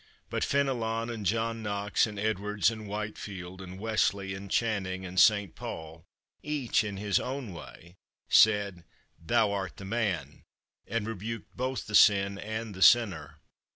But Fénelon and John Knox and Edwards and Whitefield and Wesley and Channing and St. Paul, each in his own way, said, "Thou art the man," and rebuked both the sin and the sinner.